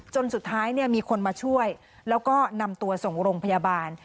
จนสุดท้ายมีคนมาช่วยแล้วก็นำตัวส่งโรงพยาบาล